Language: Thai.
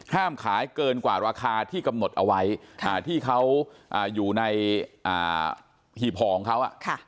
ขายเกินกว่าราคาที่กำหนดเอาไว้ที่เขาอยู่ในหีบห่อของเขา